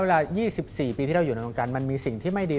๒๔ปีที่เราอยู่ในวงการมันมีสิ่งที่ไม่ดี